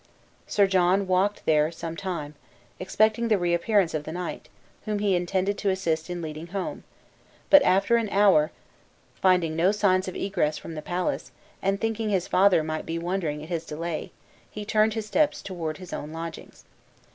Sir John walked there some time, expecting the reappearance of the knight, whom he intended to assist in leading home; but after an hour, finding no signs of egress from the palace, and thinking his father might be wondering at his delay, he turned his steps toward his own lodgings.